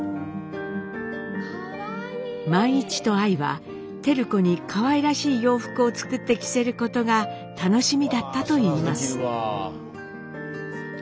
萬一とアイは照子にかわいらしい洋服を作って着せることが楽しみだったといいます。